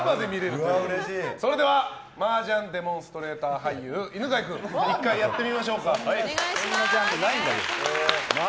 それではマージャンデモンストレーター俳優犬飼君、１回やってみましょうか。